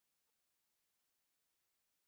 复兴大臣是日本主理复兴厅的官员。